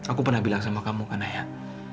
aku pernah bilang sama kamu kan ayah